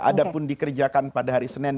ada pun dikerjakan pada hari senin